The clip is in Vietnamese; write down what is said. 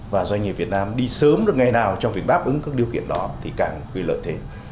và doanh nghiệp việt nam đi sớm được ngày nào trong việc đáp ứng các điều kiện đó thì càng gây lợi thế